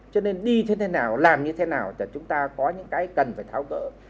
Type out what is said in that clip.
cho nên đi thế nào làm như thế nào để chúng ta có những cái cần phải tháo gỡ